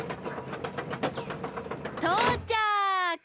とうちゃく！